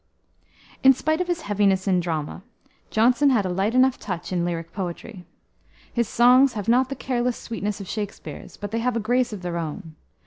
In spite of his heaviness in drama, Jonson had a light enough touch in lyric poetry. His songs have not the careless sweetness of Shakspere's, but they have a grace of their own.